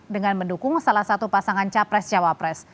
dengan mendukung salah satu pasangan capres cawapres